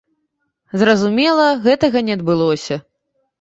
Зразумела, гэтага не адбылося.